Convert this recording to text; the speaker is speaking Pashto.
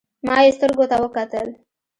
ما يې سترګو ته وکتل.